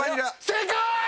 正解！